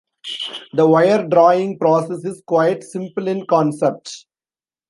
The wire drawing process is quite simple in concept.